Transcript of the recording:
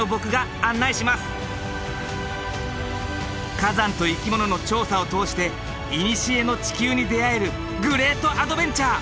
火山と生き物の調査を通していにしえの地球に出会えるグレートアドベンチャー！